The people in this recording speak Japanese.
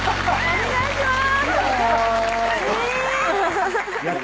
お願いします